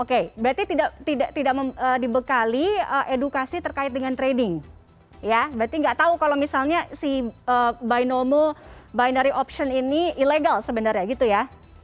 oke berarti tidak dibekali edukasi terkait dengan trading ya berarti nggak tahu kalau misalnya si by nomo binary option ini ilegal sebenarnya gitu ya